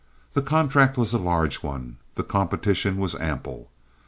The contract was a large one, the competition was ample.